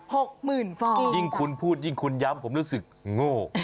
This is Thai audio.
หกหมื่นฟองยิ่งคุณพูดยิ่งคุณย้ำผมรู้สึกโง่